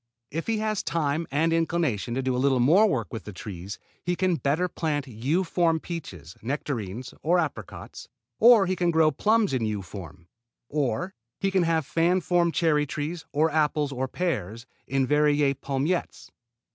If he has time and inclination to do a little more work with the trees he can better plant U form peaches, nectarines or apricots, or he can grow plums in U form, or he can have fan form cherry trees, or apples or pears in Verrier palmettes.